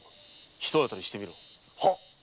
ひと当たりしてみろ。